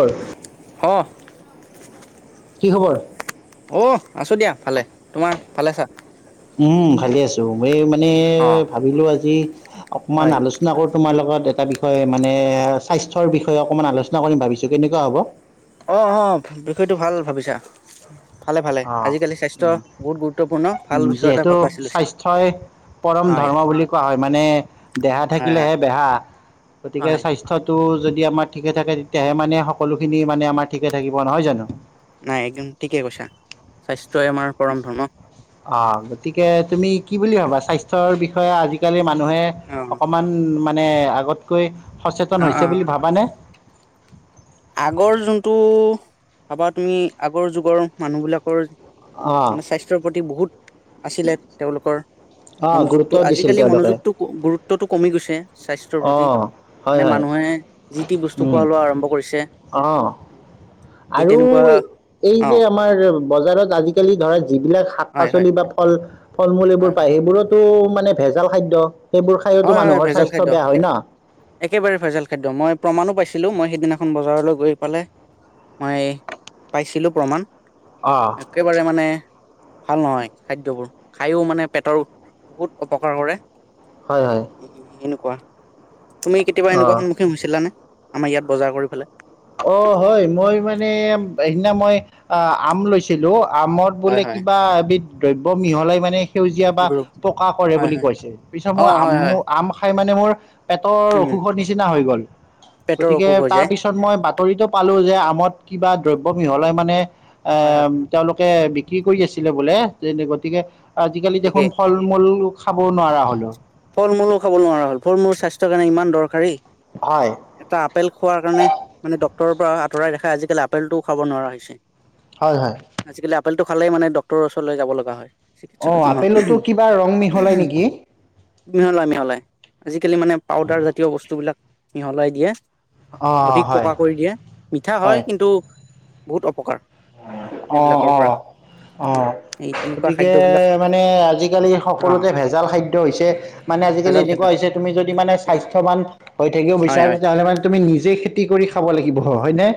কি অহ। কি খবৰ? অ', আছো দিয়া ভালে। তোমাৰ, ভালে আছা? উম, ভালে আছো। মই মানে অ', ভাবিলোঁ আজি অকণমান হয়, আলোচনা কৰোঁ তোমাৰ লগত। এটা বিষয় মানে, স্বাস্থ্যৰ বিষয়ে অকনমান আলোচনা কৰিম ভাবিছো কেনেকুৱা হ'ব? অ' অ' বিষয়টো ভাল ভাবিছা। ভালে ভালে, অ' আজিকালি স্বাস্থ্য বহুত গুৰুত্বপূৰ্ণ ভাল বিষয় এটা যিহেতু বাছি লৈছা, স্বাস্থ্যই পৰম হয়, ধৰ্ম বুলি কোৱা হয়। মানে দেহা হয়, হয়, থাকিলেহে বেহা গতিকে হয়, স্বাস্থ্যটো যদি আমাৰ ঠিকে থাকে তেতিয়াহে মানে সকলো খিনি মানে আমাৰ ঠিকে থাকিব নহয় জানো। নাই একদম ঠিকেই কৈছা, স্বাস্থ্যই আমাৰ পৰম ধৰ্ম। অ' গতিকে তুমি কি বুলি ভাবা? স্বাস্থ্যৰ বিষয়ে আজিকালি মান -নুহে অ', অকণমান মানে আগতকৈ সচেতন অ', হৈছে অ', বুলি ভাবানে? আগৰ যোনটো ভাবা তুমি, আগৰ যুগৰ মানুহ বিলাকৰ অঁ মানে স্বাস্থ্যৰ প্ৰতি বহুত আছিলে, তেওঁলোকৰ অঁ গুৰুত্ব মনোযোগটো দিছিল আজিকালি তেওঁলোকে মনোযোগতো গুৰুত্বটো কমি গৈছে। স্বাস্থ্যৰ প্ৰতি, অঁ হয় মানে হয় মানুহে যি টি বস্তু উম খোৱা লোৱা আৰম্ভ কৰিছে। অঁ এই আৰু তেনেকুৱা এই অ যে আমাৰ বজাৰত আজিকালি ধৰা যিবিলাক শাক হয় হয় পাচলি বা ফল ফল মূল এইবোৰ হয় হয় পায়। সেইবোৰতো মানে ভেজাল খাদ্য, সেইবোৰ খায়তো হয় হয় মানুহৰ ভেজাল স্বাস্থ্য খাদ্য, বেয়া হয় ন একেবাৰে ভেজাল খাদ্য, মই প্ৰমাণো পাইছো। ছিলোঁ, মই সেইদিনাখন বজাৰলৈ গৈ পেলাই মই পাইছিলোঁ প্ৰমাণ। অঁ একেবাৰে মানে ভাল নহয়, খাদ্যবোৰ খাইও মানে পেটৰ বহুত অপকাৰ কৰে। হয় হয় উ এনেকুৱা, তুমি কেতিয়া এনেকুৱা অঁ সন্মখীন হৈছিলানে? আমাৰ ইয়াত বজাৰ কৰি পেলাই, অ' হয়, মই মানে সিদিনা মই অ আম লৈছিলো আমত হয় বোলে হয় কিবা এবিধ দ্ৰব্য মিহলাই মানে সেউজীয়া বা গ্ৰুপ পকা কৰে হয় বুলি হয় কৈছে, পিছত অ মই আম হয় হয় আম খাই মানে মোৰ পেটৰ উম অসুখৰ নিচিনা হৈ গ'ল। পেটৰ গতিকে অসুখ হৈ তাৰ যায় পিছত মই বাত- পালোঁ যে আমত কিবা দ্ৰব্য মিহলাই মানে এ হয় হয় হয় তেওঁলোকে বিক্ৰী কৰি আছিলে বোলে যেনে গতিকে আজিকালি ঠিকেই দেখোন ফল মূল খাবও নোৱাৰা হলোঁ ফল মূলো খাব নোৱাৰা হ'ল ফল মূল স্বাস্থ্যৰ কাৰণে ইমান দৰকাৰী। হয় এটা আপেল খোৱাৰ কাৰণে মানে ডক ক্তৰ পৰা আঁতৰাই ৰাখে আজিকালি আপেলটোও খাব নোৱাৰা হৈছে। হয় হয় আজিকালি আপেলটো খালেই মানে ডকক্তৰৰ ওচৰলৈ য লগা হয়। অ চিকিৎসক এজনৰ। আপেলতো কিবা ৰং মিহলাই নেকি মিহলাই আজিকালি মানে পাউদাৰ জাতীয় বস্তুবলাক মিহলাই দিয়ে। অ' অধিক হয় পকা কৰি দিয়ে মিঠা হয় কিন্তু বহুত অপকাৰ অ সেইবিলাকৰ অ পৰা অ এই তেনেকুৱা গতিকে খাদ্যবিলাক মানে আজিকালি অ' সকলোতে ভেজাল খাদ্য হৈছে মানে আজিকালি ভেজাল খাদ্য এনেকুৱা হৈছে তুমি যদি মানে স্বাস্থ্যৱান হৈ থাকিব হয় বিচাৰা হয় তেতিয়া হ'লে মানে তুমি নিজে কৰি খাব লাগিব হয়নে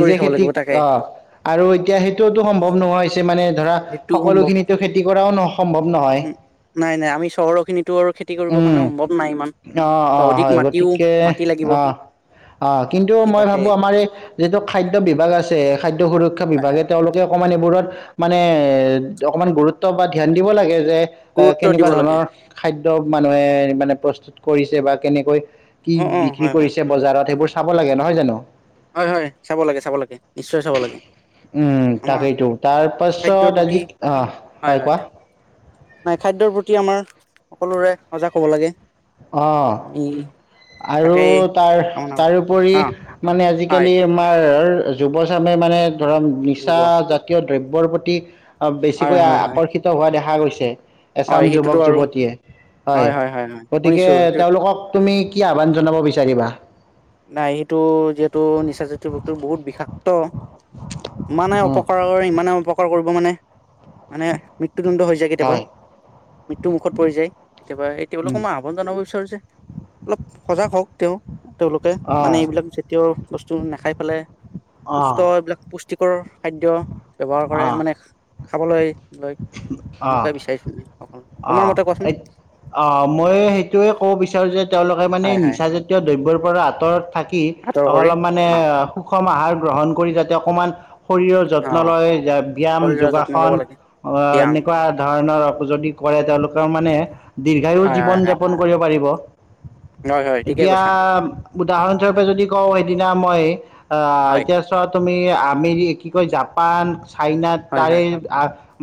কৰি খাব খেতি লাগিব তাকে অ আৰু এতিয়া সেইটোওটো সম্ভৱ নহয় হৈছে মানে ধৰা সেইটোও সম্ভৱ সকলোখিনো খেতি কৰাও ন সম্ভৱ নহয় উম। নাই নাই আমি চহৰৰ খিনিতো আৰু খেতি কৰিবৰ উম কাৰণে সম্ভৱ নাই ইমান অ বা অ অধিক হয় মাটিও গতিকে মাটি লাগিব অ অ কিন্তু এই মই তাকে ভাবো আমাৰ এই যিটো খাদ্য বিভাগ আছে খাদ সুৰক্ষা হয় হয়। বিভাগে তেওঁলোকে অকণমান এইবোৰত মানে অকমান গুৰুত্ব বা ধ্যান দিব লাগে যে গুৰুত্ব কেনেকুৱা দিব লাগে। ধৰণৰ খাদ মানুহে মানে প্ৰস্তুত কৰিছে বা কেনেকৈ কি অ', অ', বিক্ৰী হয়, হয়। কৰিছে বজাৰত সেইবোৰ চাব লাগে নহয় জানো হয় হয় চাব লাগে চাব লাগে নিশ্চয় চাব লাগে। উম আমাৰ তাকেইটো তাৰ খাদ্যৰ পাছত প্ৰতি আজি আহ হয় কোৱা নাই খাদ্যৰ প্ৰতি আমাৰ সকলোৰে সজাগ হব লাগে অ আমি আৰু তাকেই তাৰ কামনা কৰোঁ। তাৰপৰি হা। মানে হয়, আজিকালি আমাৰ যুৱচামে মানে ধৰম ৰুব। নিচা জাতীয় দ্ৰব্যৰ প্ৰতি অ হয়, বেছিকৈ হয়, হয়, আকৰ্ষিত হোৱা দেখা গৈছে যে এচাম হয়, সেইটোতো যুৱক আৰু যুৱতীয়ে হয় গতিকে তেওঁলোকক তুমি কি আহ্বান জনাব বিচাৰিবা নাই সেইটো যিহেতু নিচাজাতীয় বস্তু বহুত বিষাক্ত। ইমানে উম, অপকাৰ কৰে ইমানে অপকাৰ কৰ মানে মানে মৃত্যুদণ্ড হৈ যায় কেতিয়াবা হয় মৃত্যু মুখত পৰি যায় কেতিয়াবা তেওঁলোকক মই আহ্বান জনাব বিচাৰো যে অলপ সজাগ হওঁক তেওঁ তেওঁলোকে অঁ মানে এইবিলাক জাতীয় বস্তু নাখাই পেলাই, অঁ সুষ্ট এইবিলাক পু, টিকৰ খাদ্য। ব্যৱহাৰ কৰে মানে, খাবলৈ, লয় তেনেকুৱাই বিচাৰিছো মই অকল তোমাৰ মতে কোৱাচোন অহ-অহ-অহ মই সেইটোৱে, ক'ব বিচাৰো যে, তেওঁলোকে মানে এই হয় হয় নিচাজাতীয় দ্ৰব্যৰ পৰা আত, তৰত, আদৰ কৰি অ [unintelligible] কম আহাৰ গ্ৰহণ কৰি যাতে অকমান, শৰীৰৰ অ যত্ন লয় ব্যায়াম শৰীৰৰ যত্ন ল'ব যোগাসন, লাগে অহ, ব্যায়াম এনেকুৱা ধৰণৰ যদি কৰে তেওঁলোকে, ত মানে, - দীৰ্ঘায়ু হয় হয় জীৱন হয় -যাপন কৰিব পাৰিব। হয় হয় ঠিকে এতিয়া কৈছা উদাহৰণস্বৰূপে যদি, কওঁ সেইদিনা মই, আ, হয় এতিয়া চোৱা তুমি, তুমি আমেৰি, কি কয় জাপান, চাইনা হয় তাৰে, হয়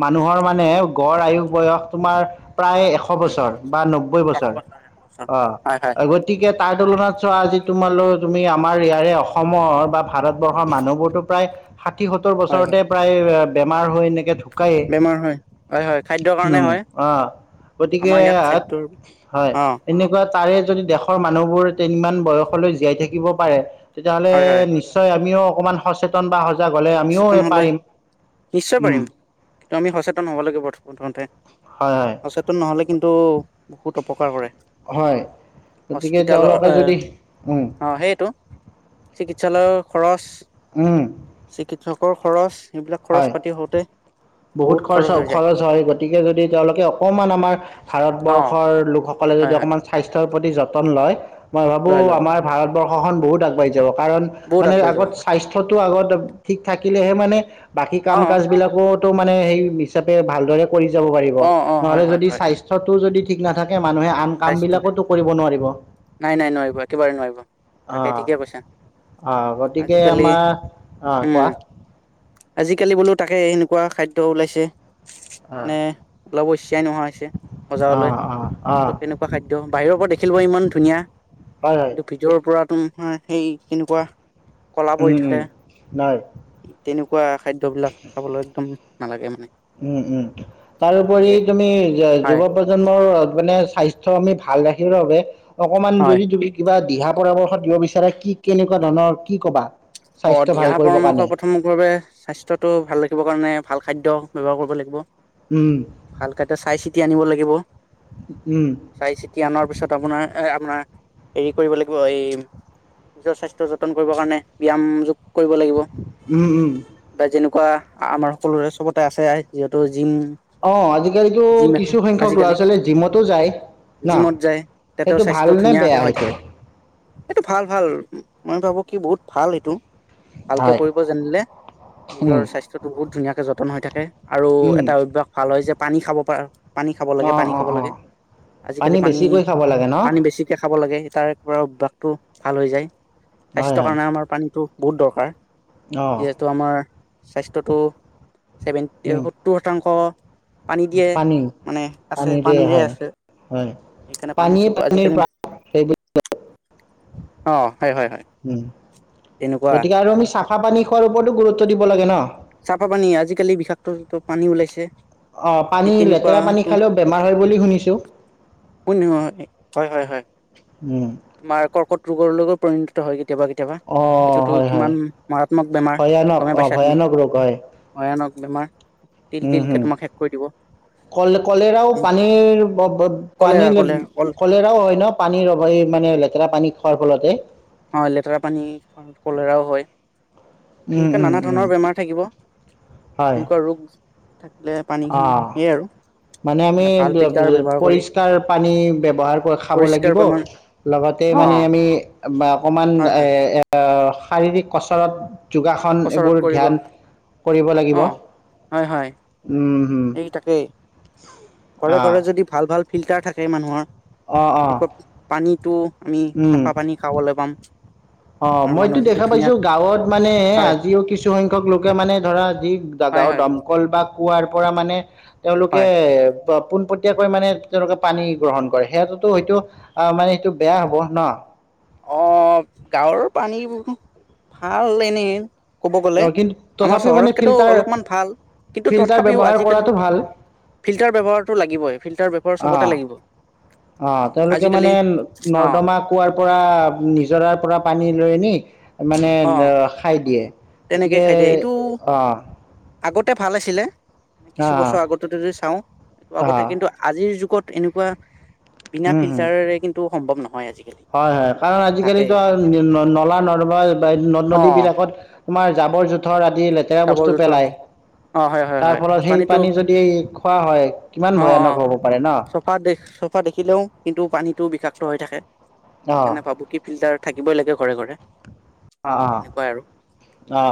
মানুহৰ মানে গড়-আয়ুস- বয়স তোমাৰ প্ৰায় এশ বছৰ। বা নব্বৈ এশ বছৰ, এশ বছৰ অ', হয় হয় গতিকে তাত, তুলনাত চোৱা আজি তোমালোক তুমি আমাৰ ইয়াৰে অসমৰ বা ভাৰতবৰ্ষৰ মানুহবোৰতো প্ৰায়, ষাঠি- সত্তৰ- হয় হয় বছৰতে প্ৰায়, বেমাৰ হৈ এনেকে, ঢুকায়ে। বেমাৰ হয় হয় হয় খাদ্যৰ কাৰণে উম', হয় আ', গতিকে আমাৰ ইয়াত খাদ্যৰ হয় অ এনেকুৱাত, তাৰে যদি দেশৰ মানুহবোৰ তিনিমান বয়সলৈ জীয়াই থাকিব পাৰে, - তেতিয়াহ'লে হয় হয় নিশ্চয় আমিও, অকমান সচেতন বা সজ, -জাগ হ'লে আমিও সচেতন এ, পাৰিম উম',। কিন্ত আমি সচেতন হ'ব লাগিব, প্ৰথমতে হয়, হয়, সচেতন নহ'লে, কিন্তু বহুত অপকাৰ কৰে। হয়। গতিকে হস্পিটালৰ তেওঁলোকে অ যদি, উম, ', সেয়েটো, সঞ্চালয়ৰ খৰচ, উম', কৃষকৰ খৰচ? এইবিলাক খৰচ হয় পাতি হওঁতে বহুত খৰচ -খৰচ হয় গতিকে যদি তেওঁলোকে অকমান আমাৰ অ ভাৰতবৰ্ষৰ লোকসকলে যদি হয় হয় অকমান স্বাস্থ্য প্ৰতি যতন লয়। মই ভাবোঁ লয় লয় লয় আমাৰ ভাৰতবৰ্ষ শনহত আগবাঢ়িব। কাৰণ বহুত মানে আগবাঢ়ি যাব আগত স্বাস্থ্যত। টো আগত ঠিক থাকিলেহে মানে। বাকী কাম অ কাজ বিলাকত মানে সেই হিচাপে ভালদৰে। কৰি যাব পাৰিব অ অ হয় নহলে হয় যদি হয় স্বাস্থ্যটো যদি ঠিক নাথাকে। মানুহে আম স্বাস্থ্য কামবিলাকতো কৰিব নোৱাৰিব নাই নাই নোৱাৰিব একেবাৰে নোৱাৰিব তাকে অহ', ঠিকে কৈছা - অহ ', গতিকে আজিকালি আমাৰ অহ', উম কোৱা? আজিকালি বোলো তাকে এনেকুৱা খাদ্য ওলাইছে। অঁ মানে? ব্লউছ কিয়াই নোহোৱা হৈছে বজাৰলৈ। অঁ অঁ অঁ চব কেনেকুৱা খাদ্য বাহিৰৰ পৰা দেখিল ব ইমান ধুনীয়া হয় হয় কিন্তু ভিতৰৰ পৰা। তোমাৰ সেই কেনেকুৱা [unintelligible] কলা উম পৰি থাকে উম হয় তেনেকুৱা খাদ্যবিলাক খাবলৈ একদম। নালাগে মানে। উম', - উম ', তাৰোপৰি সেয়ে তুমি হয় যুৱ প্ৰজন্মৰ মানে স্বাস্থ্য আমি ভাল ৰাখিব বাবে। অকমান হয় যদি তুমি কিবা। দিহা পৰামৰ্শ দিব বিচাৰে কি কেনেকুৱা ধৰণৰ কি কবা? অহ', স্বাস্থ্য ভাল দিহা কৰিবৰ কাৰণে পৰামৰ্শ প্ৰথম বাবে স্বাস্থ্যতটো ভাল ৰাখিবৰ কাৰণে ভাল খাদ্য ব্যৱহাৰ কৰিব লাগিব। উম ভালকটা চাই চিতি আনিব লাগিব। উম চাই চিতি আনাৰ পিছত আপোনাৰ এহ ', আপোনাৰ হেৰি কৰিব লাগিব এই, নিজৰ স্বাস্থ্য যতন কৰিবৰ কাৰণে। বিয়াম কৰিব লাগিব। উম উম বা যেনে কৰা আমাৰ সকলোৰে চবতে আছে যিহেতু জিম অঁ আজিকালিৰ জিম এখন কিছুসংখ্যক ল'ৰা আজিকালি ছোৱালীয়ে জিমতো যায় ন জিমত যায় তাতেও সেইটো স্বাস্থ্য ভাল নে বেয়া ধুনীয়াকে হৈ থাকে সেইটো এইটো ভাল ভাল মই ভাবো কি বহুত ভাল এইটো ভালকে হয় কৰিব জানিলে নিজৰ উম স্বাস্থ্য টো বহুত ধুনীয়াকৈ যত্ন পতন হৈ থাকে আৰু উম এটা অভ্যাস ভাল হয় যে পানী খাব পাৰ পানী খাব লাগে, অ পানী অ খাব অ লাগে, আজিকালি পানী, বেছিকৈ খাব লাগে ন পানী বেছিকৈ খাব লাগে তাৰে পৰা অভ্যাসটো ভাল হৈ যায় হয় স্বাস্থ্যৰ হয় কাৰণে আমাৰ টো বহুত দৰকাৰ অ যিহেতু আমাৰ স্বাস্থ্যটো ছেভেন উম সত্তৰ শতাংশ পানী দিয়ে পানী মানে আছে পানীৰে আছে হয় সেইকাৰণে পানীয়ে পানীটো পানীৰ আজিকালি প্ৰাণ সেইবুলি অঁ, হয়, হয়, হয়। উম তেনেকুৱা গতিকে আৰু আমি চাঁও চাহ পানী খোৱাৰ ওপৰতো গুৰুত্ব দিব লাগে ন চাফা পানী আজিকালি বিষাক্ত পানী ওলাইছে অঁ এই পানী লেতেৰা পানী তেনেকুৱাটো খালেওঁ বেমাৰ হয় বুলি শুনিছোঁ হয় হয় ৰোগৰ লগত পৰিণত হয় গৈ কেতিয়াবা কেতিয়াবা অ সেইটোতো হয় হয় কিমান মাৰাত্মক বেমাৰ ভয়ানক গমেই পাইছা তুমি ভয়ানক [unintelligible] বেমাৰ তিল উম তিলকে হম তোমাক শেষ কৰি দিব। কল কলেৰাও পানীৰ কলেৰা পানীৰ কলেৰা কল কলেৰাও হয় ন পানীৰ অঁ মানে লেতেৰা পানী খোৱাৰ ফলতে হয় লেতেৰা পানী কলেৰাও হয় উম এনে উম নানা উম ধৰণৰ বেমাৰ থাকিব এনেকুৱা ৰোগ থাকিলে পানীখিনি অঁ সেয়ে আৰু মানে আমি ভাল ফিল্টাৰ ব্যৱহাৰ কৰি পৰিষ্কাৰ পানী ব্যৱহাৰ কৰি খাব পৰিষ্কাৰ লাগিব পৰিমাণ লগতে অ মানে আমি বা অকণমান হয় এ হয় এ শাৰীৰিক কচৰৎ যোগাসন এইবোৰ ধ্যান কৰিব লাগিব অঁ, হয়, হয়। এই তাকেই ঘৰে ঘৰে যদি ভাল ভাল ফিল্টাৰ থাকে মান অঁ নোৱাৰো অঁ এনেকুৱা পানীত টু আমি চাফা পানী খাবলৈ পাম অ আৰু মইতো মানুহে যদি দেখা পাইছো ধুনীয়াকে গাঁৱত মানে হয় আজিও কিছুসংখ্যক লোকে মানে ধৰা যি হয় গাঁৱৰ হয় দমকল বা কুৱাৰ পৰা মানে তেওঁলোকে হয় পোনপটীয়াকৈ মানে তেওঁলোকে পানী গ্ৰহণ কৰে সেইয়াটোতো হয়তো অ মানে সেইটো বেয়া হ'ব ন অ গাঁৱৰ পানীবোৰ ভাল এনেই ক'ব অ, গ'লে কিন্তু আমাৰ তথাপিও মানে চহৰতকেতো ফিল্টাৰ অলপমান ভাল কিন্তু ফিল্টাৰ তথাপিও ব্যৱহাৰ আজিকালি কৰাটো ভাল ফিল্টাৰ ব্যৱহাৰতটো লাগিবই ফিল্টাৰ ব্যৱহাৰ অ চবতে লাগিব অ তেওঁলোকে আজিকালি মানে অ নৰ্দমা কুৱাৰ পৰা নিজৰাৰ পৰা পানী লৈ আনি মানে অ খাই দিয়ে তেনেকে গতিকে খাই দিয়ে এইটো অ আগতে ভাল আছিলে অ কিছু বছৰ আগতে যদি চাও এইটো অ আগতে কিন্তু আজিৰ যুগত এনেকুৱা বিনা উম হম ফিল্টাৰেৰে কিন্তু সম্ভৱ নহয় আজিকালি হয় হয় কাৰণ তাকেই আজিকালিতো নলা-নৰ্দমা অ নদ-নদী বিলাকত তোমাৰ জাবৰ জোথৰ লেতেৰা জাবৰ বস্তু জোথৰ পেলাই অ হয় হয় তাৰ হয় ফলত সেই পানীটো পানী যদি খোৱা হয় কিমান অ অ ভয়ানক হ'ব পাৰে ন ও বিষাক্ত হৈ থাকে অ সেইকাৰণে পাবু কি ফিল্টাৰ থাকিবই লাগে কৰে কৰে অ অ অ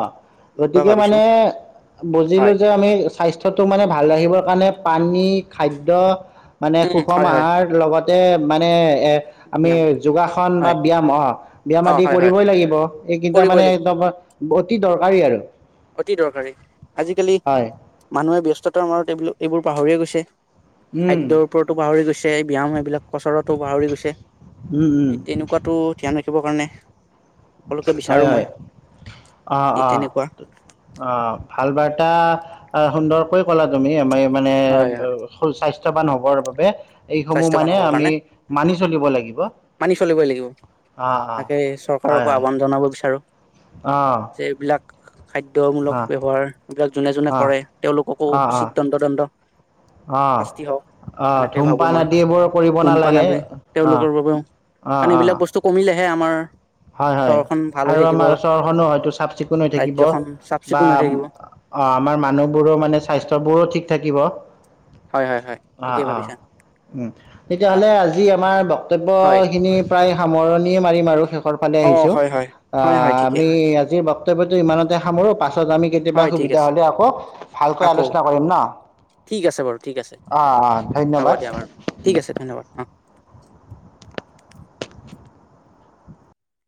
এনেকুৱা গতিকে ভাবিছো মানে বুজিলো হয় যে আমি স্বাস্থ্যটো মানে ভাল ৰাখিব মানে পানী খাদ্য মানে উম সুষম হয় হয় আহাৰ লগত মানে আমি ব্যায়াম যোগাসন বা হয় ব্যায়াম অঁ ব্যায়াম অ আদি হয় হয় কৰিবই লাগিব কি ত কৰিবই মানে লাগিব তম [unintelligible] অতি দৰকাৰী আৰু অতি দৰকাৰী আজিকালি হয়। মানুহে ব্যস্ত [unintelligible] এই বোলো এইবোৰ পাহৰিয়ে গৈছে উম, খাদ্যৰ ওপৰতো পাহৰি গৈছে, ব্যায়াম এইবিলাক কচৰতো পাহৰি গৈছে, উম, উম, এই তেনেকুৱাতো ধ্যান ৰাখিবৰ কাৰণে সকলোকে হয় বিচাৰো হয় মই অ এই অ তেনেকুৱা অ ভাল বাৰ্তা সুন্দৰকৈ কলা তুমি আমাৰ মানে হয় হয় সৰু স্বাস্থ্য ৱান হবৰ বাবে এইসমূহ স্বাস্থ্যৱান মানে হবৰ আমি কাৰণে মানি চলিব লাগিব মানি চলিবই অ অ আ আহ্বান জনাব বিচাৰো আহঁ যে এইবিলাক খাদ্যমূলক ব্যৱহাৰবিলাক যোনে যোনে কৰে তেওঁলোককো অ', অ', উচিত তণ্ট দণ্ড অ শাস্তি হওক অ তেনেকে থুম ভাবো পান মই আদি এইবোৰ কৰিব ধূমপান নালাগে আদি অ অ অ তেহে আমাৰ হয় হয় চহৰখন ভাল হৈ আৰু থাকিব আমাৰ চৰখনো হয়তো চাফ চিকুণ হৈ থাকিব ৰাজ্যখন চাফ বা চিকুণ হৈ থাকিব অ আমাৰ মানুহবোৰো মানে স্বাস্থ্যবোৰো ঠিক থাকিব। হয় হয় হয় অ ঠিকেই অ ভাবিছা উম অ তেতিয়াহ'লে আজি আমাৰ হয় কৰ্তব্যখিনি প্ৰায় সামৰণিয়ে মাৰিম আৰু শেষৰ ফালে অ আহিছো হয় হয় হয় হয় আহ ঠিকেই আমি আজি [unintelligible] ইমানতে সামৰো পাছে আমি কেতিয়াবা হয় ঠিক সুবিধা আছে হলে আকৌ ভালকৈ আকৌ আলোচনা কৰিম ন ঠিক আছে বাৰু ঠিক আছে অ অ হ'ব হ'ব ধন্যবাদ। দিয়া বাৰু ঠিক আছে ধন্যবাদ